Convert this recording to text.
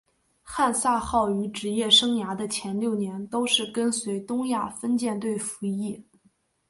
汉萨号于职业生涯的前六年都是跟随东亚分舰队服役。